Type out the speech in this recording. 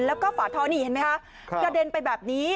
แล้วก็ฝาท่อนี่เห็นไหมคะกระเด็นไปแบบนี้